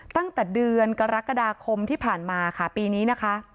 ตั้งแต่เดือนกรกฎาคมที่ผ่านมาค่ะปีนี้นะคะ